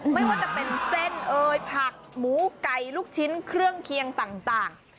ไม่ว่าจะเป็นเส้นเอ่ยผักหมูไก่ลูกชิ้นเครื่องเคียงต่าง